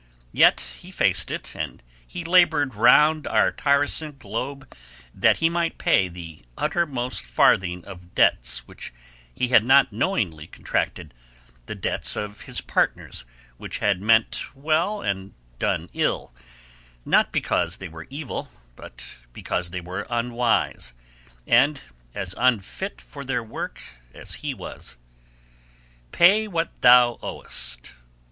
Yet he faced it, and he labored round our tiresome globe that he might pay the uttermost farthing of debts which he had not knowingly contracted, the debts of his partners who had meant well and done ill, not because they were evil, but because they were unwise, and as unfit for their work as he was. "Pay what thou owest."